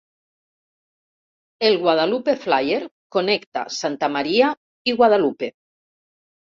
El Guadalupe Flyer connecta Santa María i Guadalupe.